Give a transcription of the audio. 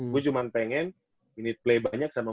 gue cuma pengen ini play banyak sama